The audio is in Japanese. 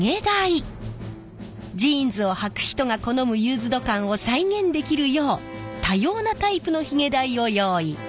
ジーンズをはく人が好むユーズド感を再現できるよう多様なタイプのヒゲ台を用意。